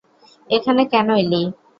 এখানে কেন এলি?